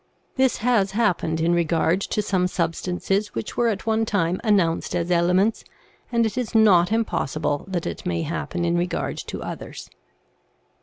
This has happened in regard to some substances which were at one time announced as elements, and it is not impossible that it may happen in regard to others.